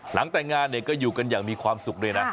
หลังแต่งงานก็อยู่กันอย่างมีความสุขด้วยนะ